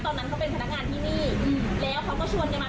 อ่าแล้ววันพุธเขาก็เอามีดมาไล่ฟันเอามาไล่ฟันรถพนักงานอ่า